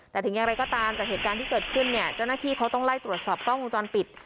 แต่ถึงอย่างไรก็ตามจากเหตุการณ์ที่เกิดขึ้นเนี่ยเจ้าหน้าที่เขาต้องไล่ตรวจสอบกล้องวงจรปิด